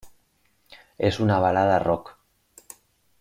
Es una balada rock.